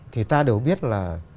thì ta đều biết là